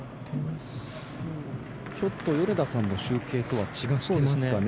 米田さんの集計とは違ってますかね。